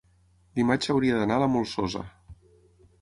dimarts hauria d'anar a la Molsosa.